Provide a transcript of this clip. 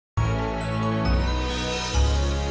pasti zaman ini dua kali kemarin ada yang mengangguk pahasannya